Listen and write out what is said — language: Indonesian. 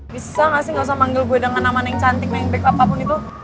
bisa gak sih gak usah manggil gue dengan nama neng cantik neng beb apapun itu